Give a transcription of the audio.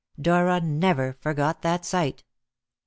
Dora never forgot that sight.